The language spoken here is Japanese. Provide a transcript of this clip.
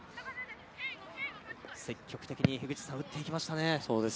積極的に樋口さん、打っていきましたね。